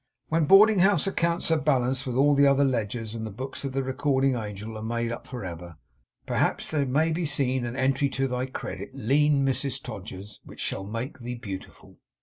When boarding house accounts are balanced with all other ledgers, and the books of the Recording Angel are made up for ever, perhaps there may be seen an entry to thy credit, lean Mrs Todgers, which shall make thee beautiful!